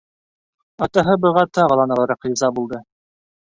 Атаһы быға тағы ла нығыраҡ риза булды.